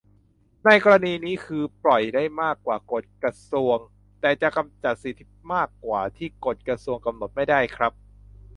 ในกรณีนี้คือปล่อยได้มากกว่ากฎกระทรวง แต่จะจำกัดสิทธิมากกว่าที่กฎกระทรวงกำหนดไม่ได้ครับ